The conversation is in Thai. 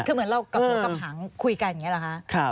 เหมือนเรากับหังคุยกันเลยละฮะ